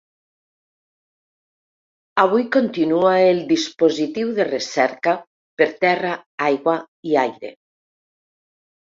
Avui continua el dispositiu de recerca per terra, aigua i aire.